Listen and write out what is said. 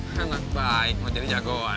sangat baik mau jadi jagoan